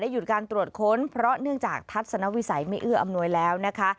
หยุดการตรวจค้นเพราะเนื่องจากทัศนวิสัยไม่เอื้ออำนวยแล้วนะคะ